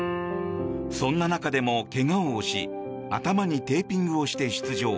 そんな中でも怪我を押し頭にテーピングをして出場。